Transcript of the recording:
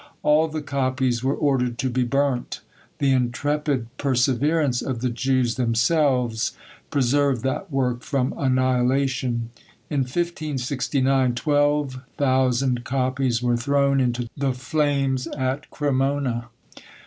All the copies were ordered to be burnt: the intrepid perseverance of the Jews themselves preserved that work from annihilation. In 1569 twelve thousand copies were thrown into the flames at Cremona.